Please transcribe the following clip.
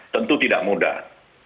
tentu tidak mudah